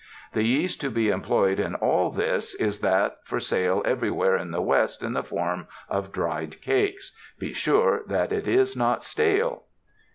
The yeast to be employed in all this is 291 UNDER THE SKY IN CALIFORNIA that for sale everywhere in the West in the form of dried cakes. Be sure that it is not stale.